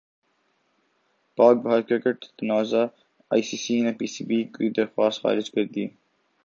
پاک بھارت کرکٹ تنازع I C سی نے پی سی بی کی درخواست خارج کردی